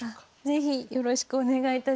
是非よろしくお願いいたします。